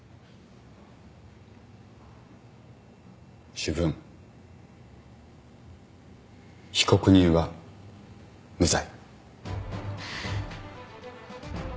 主文被告人は無罪。